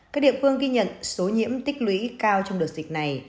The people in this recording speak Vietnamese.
các địa phương ghi nhận số nhiễm tích lũy cao trong đợt dịch này